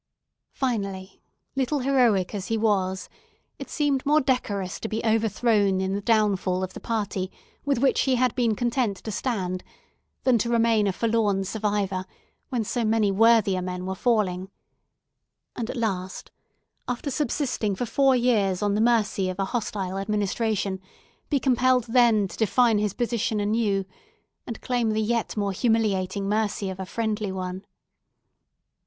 Finally, little heroic as he was, it seemed more decorous to be overthrown in the downfall of the party with which he had been content to stand than to remain a forlorn survivor, when so many worthier men were falling: and at last, after subsisting for four years on the mercy of a hostile administration, to be compelled then to define his position anew, and claim the yet more humiliating mercy of a friendly one.